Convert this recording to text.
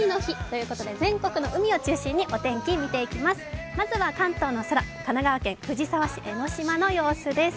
お天気見ていきます、まずは関東の空、神奈川県藤沢市江の島の様子です。